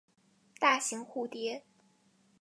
大型蝴蝶。